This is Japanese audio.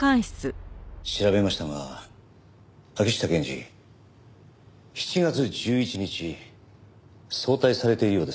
調べましたが秋下検事７月１１日早退されているようですね。